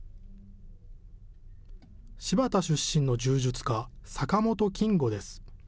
新発田出身の柔術家、坂本謹吾です。